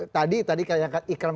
tadi tadi ikram